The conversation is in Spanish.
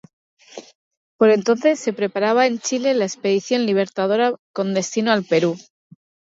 Por entonces se preparaba en Chile la Expedición Libertadora con destino al Perú.